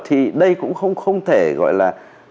thì đây cũng không thể gọi là